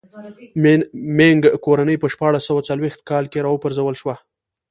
مینګ کورنۍ په شپاړس سوه څلوېښت کاله کې را و پرځول شوه.